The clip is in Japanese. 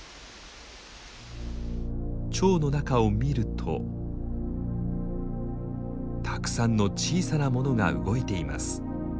腸の中を見るとたくさんの小さなものが動いています。